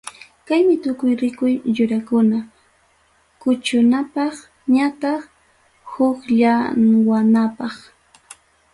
Kaymi tukuy rikuq yurakuna, kuchunapaq ñataq hukllawanapaq.